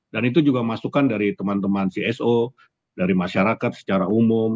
dan itu juga masukan dari teman teman cso dari masyarakat secara umum